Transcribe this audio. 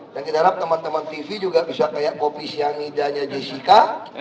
dan kita harap teman teman tv juga bisa kayak kopis yang nidanya jessica